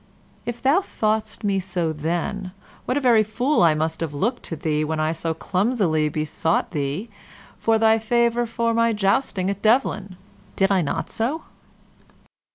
"If thou thoughtst me so then, what a very fool I must have looked to thee when I so clumsily besought thee for thy favor for my jousting at Devlen. Did I not so?"